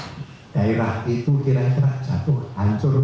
waktu itu kira kira jatuh hancur rumah